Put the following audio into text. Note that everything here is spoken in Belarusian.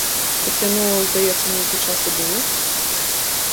Так яно, здаецца, нейкі час і было.